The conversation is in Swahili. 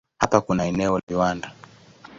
Hapa kuna eneo la viwanda.